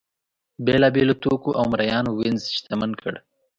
بېلابېلو توکو او مریانو وینز شتمن کړ.